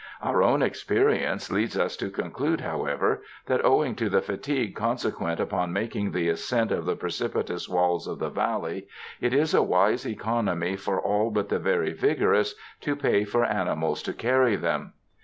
Our own experience leads us to conclude, however, that owing to the fatigue consequent upon making the ascent of the precipitous walls of the Valley, it is a wise economy for all but the very vigorous to pay for animals to carry them.